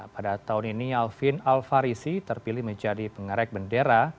pada tahun ini alvin alfarisi terpilih menjadi pengerek bendera